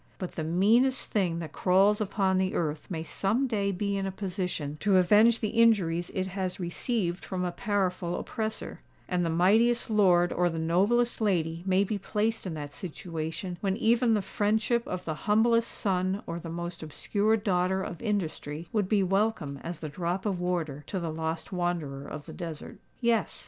But the meanest thing that crawls upon the earth may some day be in a position to avenge the injuries it has received from a powerful oppressor; and the mightiest lord or the noblest lady may be placed in that situation when even the friendship of the humblest son or the most obscure daughter of industry would be welcome as the drop of water to the lost wanderer of the desert. Yes!